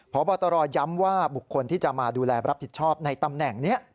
พบตรย้ำว่าบุคคลที่จะมาดูแลรับผิดชอบในตำแหน่งนี้